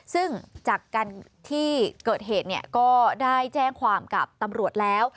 ซึ่งจากการที่เกิดเหตุก็ได้แจ้งความกับตำรวจแล้ว